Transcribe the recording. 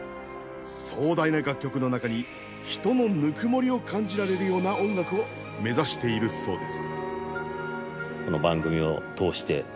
壮大な楽曲の中に人のぬくもりを感じられるような音楽を目指しているそうです。